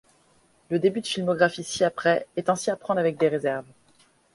Le début de filmographie ci-après est ainsi à prendre avec des réserves.